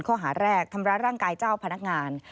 ข้อหาแรกทำร้ายร่างกายเจ้าพนักงาน